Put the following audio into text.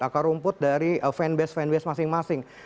akar rumput dari fanbase fanbase masing masing